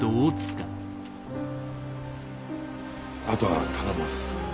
あとは頼みます。